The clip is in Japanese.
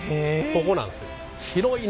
ここなんですよ。